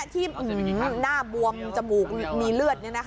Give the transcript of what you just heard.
ที่หน้าบวมจมูกมีเลือด